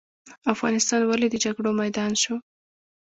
افغانستان ولې د جګړو میدان شو؟